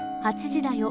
８時だョ！